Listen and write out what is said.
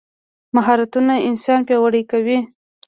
مهارتونه انسان پیاوړی کوي.